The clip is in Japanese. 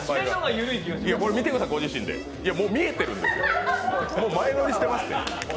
見てください、ご自身で、もう見えてるんです、前乗りしてますね。